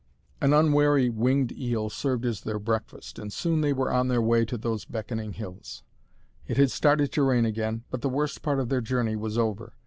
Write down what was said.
An unwary winged eel served as their breakfast, and soon they were on their way to those beckoning hills. It had started to rain again, but the worst part of their journey was over.